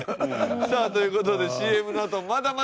さあという事でＣＭのあとまだまだ続きます。